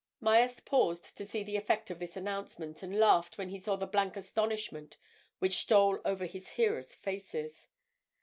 Myerst paused to see the effect of this announcement, and laughed when he saw the blank astonishment which stole over his hearers' faces.